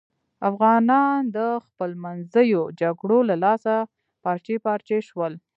افغانان د خپلمنځیو جگړو له لاسه پارچې پارچې شول.